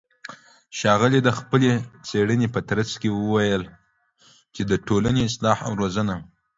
ښاغلى د خپلې څېړنې په ترڅ کې وويل چې د ټولنې اصلاح او روزنه